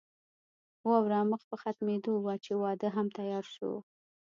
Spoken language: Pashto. واوره مخ په ختمېدو وه چې واده هم تيار شو.